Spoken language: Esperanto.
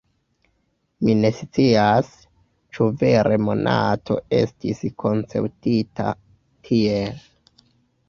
Mi ne scias, ĉu vere Monato estis konceptita tiel.